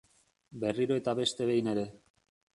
Berriro eta beste behin ere!